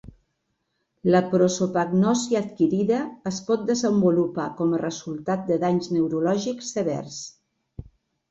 La prosopagnòsia adquirida es pot desenvolupar com a resultat de danys neurològics severs.